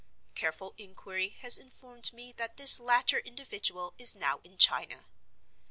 Careful inquiry has informed me that this latter individual is now in China.